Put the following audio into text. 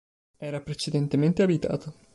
Era precedentemente abitato.